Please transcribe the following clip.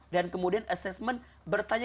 dan kemudian assessment bertanya